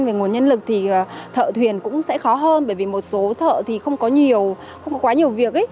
về nguồn nhân lực thì thợ thuyền cũng sẽ khó hơn bởi vì một số thợ thì không có nhiều không có quá nhiều việc